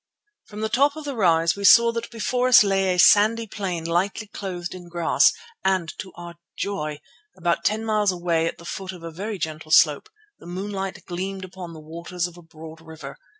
From the top of the rise we saw that before us lay a sandy plain lightly clothed in grass, and, to our joy, about ten miles away at the foot of a very gentle slope, the moonlight gleamed upon the waters of a broad river.